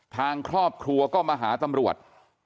ทางครอบครัวก็มาหาตำรวจ